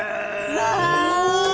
うわ！